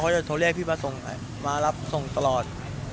เขาจะโทรเรียกพี่มารับส่งตลอด